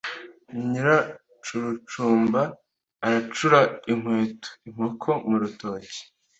Nyirancurucumba aracura inkweto. Inkoko mu rutoki.